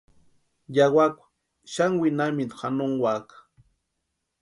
Yawakwa xani winhamintu janonkwaka.